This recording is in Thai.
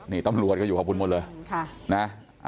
นี่ตำรวจก็อยู่กับคุณหมดเลยนะ